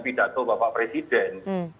pidato bapak presiden